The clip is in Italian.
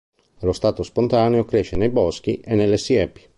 Allo stato spontaneo cresce nei boschi e nelle siepi.